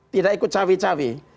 tidak ikut cawe cawe